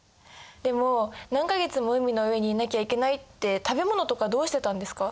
でも何か月も海の上にいなきゃいけないって食べ物とかどうしてたんですか？